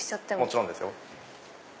もちろんですよ。